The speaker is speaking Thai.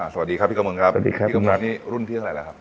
สวัสดีครับพี่กมลครับพี่กมลนี่รุ่นที่อะไรแล้วครับ